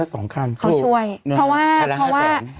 เพราะว่า